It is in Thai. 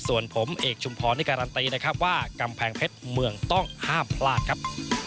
ส่วนผมเอกชุมพรนี่การันตีนะครับว่ากำแพงเพชรเมืองต้องห้ามพลาดครับ